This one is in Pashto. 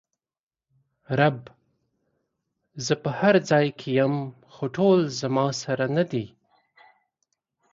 رب: زه په هر ځای کې ېم خو ټول زما سره ندي!